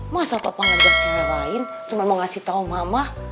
masa papa ngerasain sama lain cuma mau ngasih tau mama